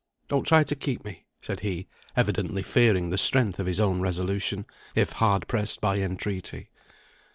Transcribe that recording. Don't try to keep me," said he, evidently fearing the strength of his own resolution, if hard pressed by entreaty.